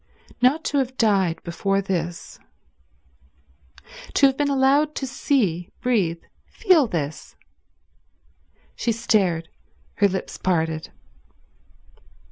Not to have died before this ... to have been allowed to see, breathe, feel this. ... She stared, her lips parted.